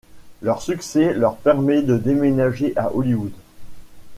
Leur succès leur permet de déménager à Hollywood.